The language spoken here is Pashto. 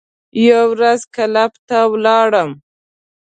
یوه ورځ کلب ته ولاړم.